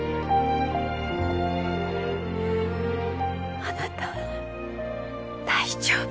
あなたは大丈夫。